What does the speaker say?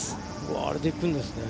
あれで行くんですね。